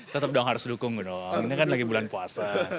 tetap dong harus dukung dong ini kan lagi bulan puasa